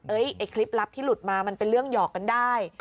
ไอ้คลิปลับที่หลุดมามันเป็นเรื่องหยอกกันได้